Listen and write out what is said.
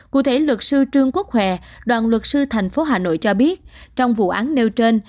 cụ thể luật sư trương quốc hòe đoàn luật sư thành phố hà nội cho biết trong vụ án nêu trên